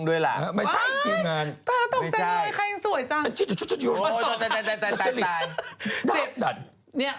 นั่น